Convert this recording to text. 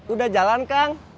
udah jalan kang